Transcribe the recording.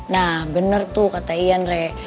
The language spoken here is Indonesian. nah bener tuh kata ian re